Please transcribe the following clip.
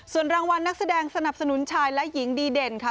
ส่วนรางวัลนักแสดงสนับสนุนชายและหญิงดีเด่นค่ะ